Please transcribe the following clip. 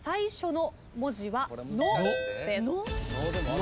「の」？